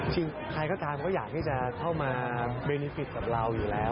จริงใครก็ทำก็อยากที่จะเข้ามาเบนิฟิตกับเราอยู่แล้ว